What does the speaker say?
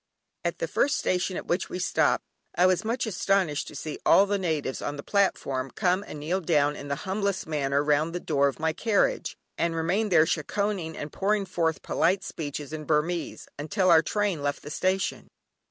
At the first station at which we stopped, I was much astonished to see all the natives on the platform come and kneel down in the humblest manner round the door of my carriage, and remain there "shekkohing" and pouring forth polite speeches in Burmese, until our train left the station.